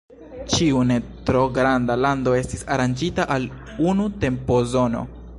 Ĉiu ne tro granda lando estis aranĝita al unu tempozono.